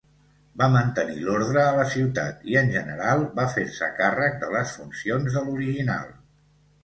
Va mantenir l'ordre a la ciutat i en general va fer-se càrrec de les funcions de l'original.